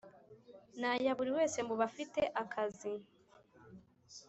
n aya buri wese mu bafite akazi